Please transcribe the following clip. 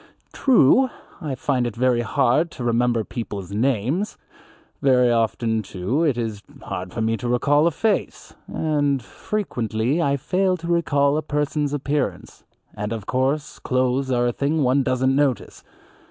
True, I find it very hard to remember people's names; very often, too, it is hard for me to recall a face, and frequently I fail to recall a person's appearance, and of course clothes are a thing one doesn't notice.